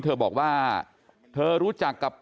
เธอบอกว่าเธอรู้จักกับ